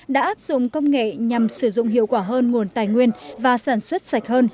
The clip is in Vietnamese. đã áp dụng công nghệ nhằm sử dụng hiệu quả hơn nguồn tài nguyên và sản xuất sạch hơn